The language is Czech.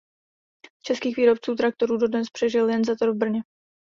Z českých výrobců traktorů dodnes přežil jen Zetor v Brně.